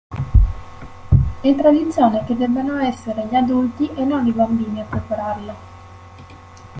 È tradizione che debbano essere gli adulti e non i bambini a prepararlo.